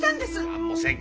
何もせん。